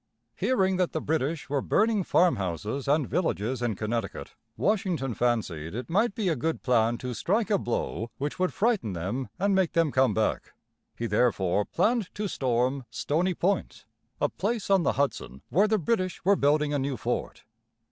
Hearing that the British were burning farmhouses and villages in Connecticut, Washington fancied it might be a good plan to strike a blow which would frighten them and make them come back. He therefore planned to storm Stony Point, a place on the Hudson, where the British were building a new fort.